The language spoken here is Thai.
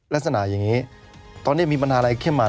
ลักษณะอย่างนี้ตอนนี้มีปัญหาอะไรเข้มมา